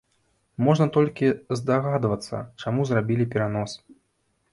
Можна толькі здагадвацца, чаму зрабілі перанос.